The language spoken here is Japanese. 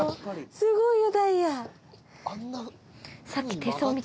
すごいよダイヤ。